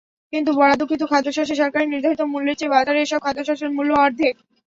কিন্তু বরাদ্দকৃত খাদ্যশস্যের সরকারি নির্ধারিত মূল্যের চেয়ে বাজারে এসব খাদ্যশস্যের মূল্য অর্ধেক।